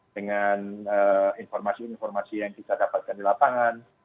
dengan informasi informasi yang kita dapatkan di lapangan